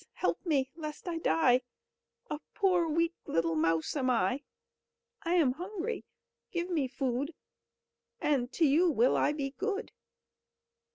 help me lest I die A poor weak, little mouse am I! I am hungry, give me food; And to you will I be good."